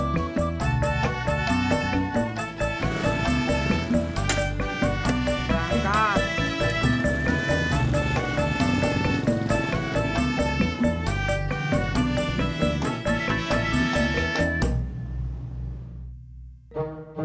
bisa atuh bete